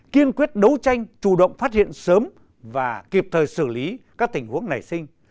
kiên quyết đấu tranh chủ động phát hiện sớm và kịp thời xử lý các tình huống nảy sinh